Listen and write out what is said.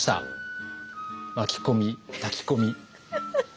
巻き込み炊き込み。